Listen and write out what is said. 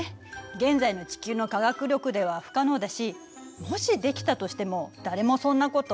現在の地球の科学力では不可能だしもしできたとしても誰もそんなことやろうとはしないわよね。